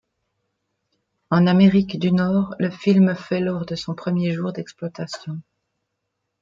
En Amérique du Nord, le film fait lors de son premier jour d'exploitation.